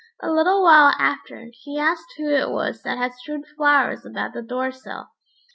A little while after, he asked who it was that had strewed flowers about the door sill.